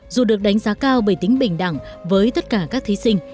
dù được đánh giá cao bởi tính bình đẳng với tất cả các thí sinh